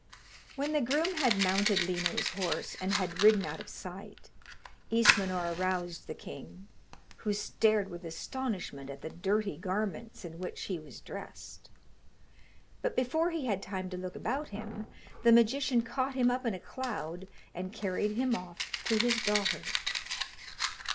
When the groom had mounted Lino's horse, and had ridden out of sight, Ismenor aroused the king, who stared with astonishment at the dirty garments in which he was dressed; but before he had time to look about him, the magician caught him up in a cloud, and carried him off to his daughter.